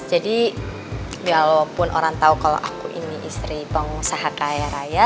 jadi walaupun orang tau kalo aku ini istri pengusaha kaya raya